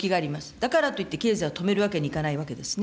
だからといって経済を止めるわけにはいかないわけですね。